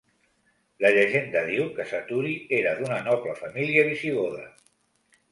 La llegenda diu que Saturi era d'una noble família visigoda.